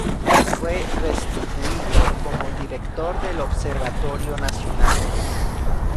Fue restituido como Director del Observatorio Nacional.